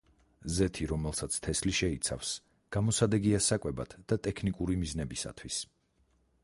ზეთი, რომელსაც თესლი შეიცავს, გამოსადეგია საკვებად და ტექნიკური მიზნებისათვის.